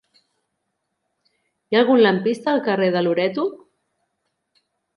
Hi ha algun lampista al carrer de Loreto?